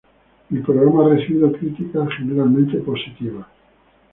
El programa ha recibido críticas generalmente positivas.